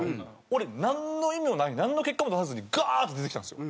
俺なんの意味もないなんの結果も出さずにガーッと出てきたんですよ。